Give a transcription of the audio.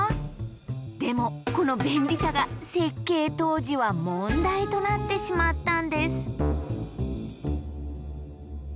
でもこの便利さが設計当時は問題となってしまったんです。